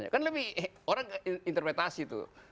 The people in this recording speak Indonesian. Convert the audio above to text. kan lebih orang interpretasi tuh